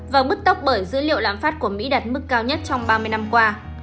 và mức tốc bởi dữ liệu lạm phát của mỹ đặt mức cao nhất trong ba mươi năm qua